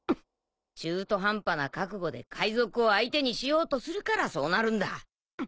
中途半端な覚悟で海賊を相手にしようとするからそうなるんだ